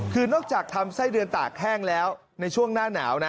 คือนอกจากทำไส้เดือนตากแห้งแล้วในช่วงหน้าหนาวนะ